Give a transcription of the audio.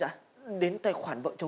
ai mà như anh